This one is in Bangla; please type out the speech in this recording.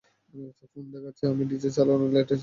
ফোনে দেখাচ্ছে, আমি ডিজে চ্যালোর লেটেস্ট একটা অ্যালবাম কিনেছি!